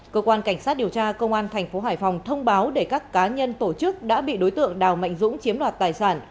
cơ quan cảnh sát điều tra công an thành phố hải phòng thông báo để các cá nhân tổ chức đã bị đối tượng đào mạnh dũng chiếm đoạt tài sản